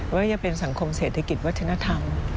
ไม่ว่าจะเป็นสังคมเศรษฐกิจวัฒนธรรม